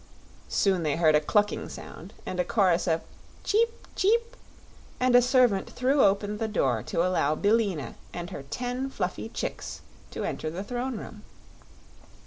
Soon they heard a clucking sound and a chorus of "cheep! cheep!" and a servant threw open the door to allow Billina and her ten fluffy chicks to enter the Throne Room.